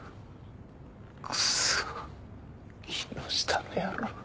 クソ木下の野郎。